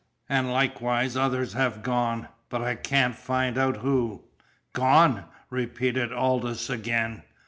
An' likewise others have gone, but I can't find out who." "Gone!" repeated Aldous again.